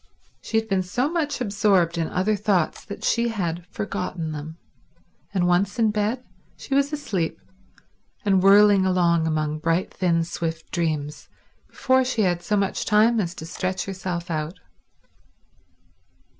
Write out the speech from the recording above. She had been so much absorbed in other thoughts that she had forgotten them; and, once in bed, she was asleep and whirling along among bright, thin swift dreams before she had so much time as to stretch herself out.